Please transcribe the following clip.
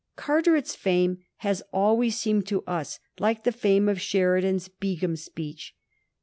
Carteret's fame has always seemed to us like the fame of Sheridan's B^m speech.